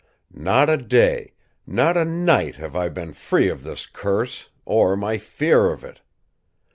Not a day, not a night, have I been free of this curse, or my fear of it.